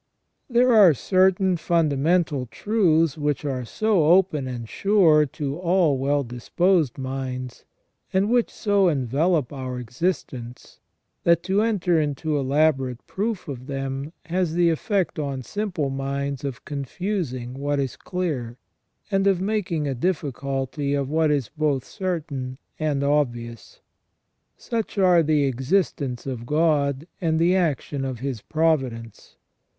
There are certain fundamental truths which are so open and sure to all well disposed minds, and which so envelop our existence, that to enter into elaborate proof of them has the effect on simple minds of confusing what is clear, and of making a difficulty of what is both certain and obvious. Such are the existence of God and the action of His providence.